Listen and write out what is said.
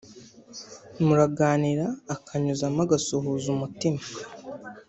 muraganira akanyuzamo agasuhuza umutima